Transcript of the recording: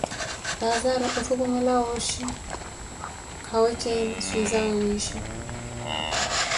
Laazaru otukhumela wooshi kha wejeleeni swiizawe wiisha.